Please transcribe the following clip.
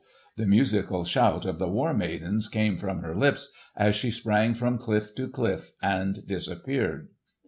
"—the musical shout of the War Maidens came from her lips as she sprang from cliff to cliff and disappeared.